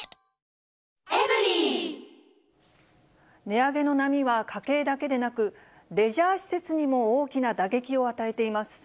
値上げの波は、家計だけでなく、レジャー施設にも大きな打撃を与えています。